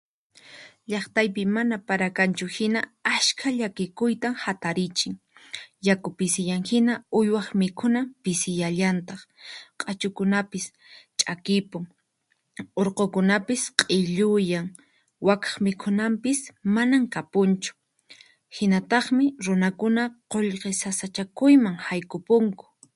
Llaqtaypi mana para kanchu hina askha llakikuytan hatarichin, yaku pisiyan hina uywaq mikhunan pisiyallantaq, q'achukunapis ch'aqipun, urqukunapis q'illuyan, wakaq mikhunanpis manan kapunchu, hinataqmi runakuna qullqi sasachakuyman haykupunku.